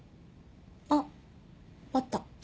あっあった。